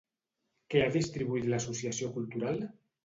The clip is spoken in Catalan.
Què ha distribuït l'associació cultural?